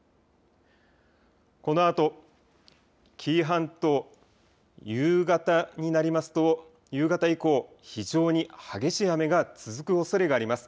このあと紀伊半島、夕方になりますと、夕方以降、非常に激しい雨が続くおそれがあります。